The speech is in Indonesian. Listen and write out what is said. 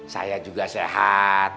saya juga sehat